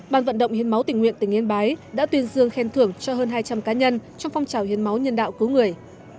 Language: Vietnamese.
ban vận động hiến máu tỉnh nguyện tỉnh yên bái đã tuyên dương khen thưởng cho hơn hai trăm linh cá nhân trong phong trào hiến máu nhân đạo cứu người